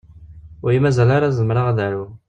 Ur yi-mazal ara zemreɣ ad aruɣ.